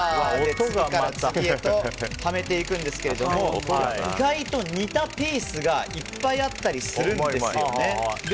次から次へとはめていくんですが意外と似たピースがいっぱいあったりするんです。